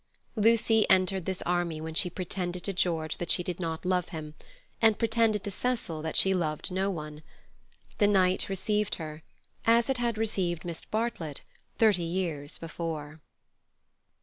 Lucy entered this army when she pretended to George that she did not love him, and pretended to Cecil that she loved no one. The night received her, as it had received Miss Bartlett thirty years before.